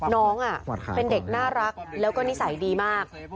น้องเป็นเด็กน่ารักแล้วก็นิสัยดีมาก